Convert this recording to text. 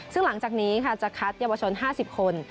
ซึ่งหลังจากนี้ค่ะจะคัดเยาวชน๕๐คน